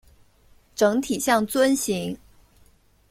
整体像樽形。